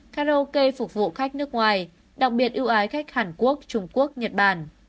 karaoke phục vụ khách nước ngoài đặc biệt ưu ái khách hàn quốc trung quốc nhật bản